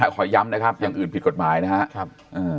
ขอย้ำนะครับอย่างอื่นผิดกฎหมายนะครับ